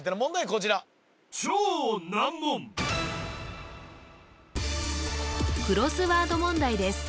こちらクロスワード問題です